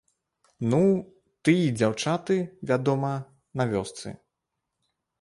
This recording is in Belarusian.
Ну, ты й дзяўчаты, вядома, на вёсцы.